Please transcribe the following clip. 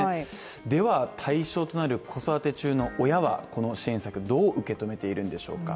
では、対象となる子育て中の親はこの支援策、どう受け止めているんでしょうか。